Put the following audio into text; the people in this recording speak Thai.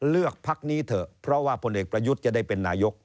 เลือกพักนี้เถอะเพราะว่าพลเอกประยุทธ์จะได้เป็นนายก